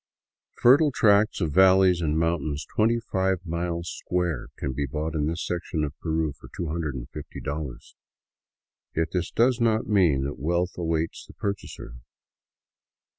Fertile tracts of valleys and mountains twenty five miles square can be bought in this section of Peru for $250. Yet this does not mean that wealth awaits the purchaser.